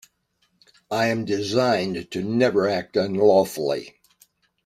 I am designed to never act unlawfully.